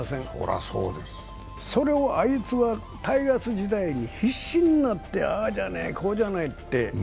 りそれをあいつはタイガース時代に必死になって、ああじゃない、こうじゃないって。